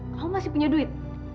kamu masih punya duit